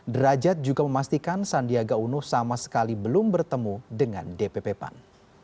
derajat juga memastikan sandiaga uno sama sekali belum bertemu dengan dpp pan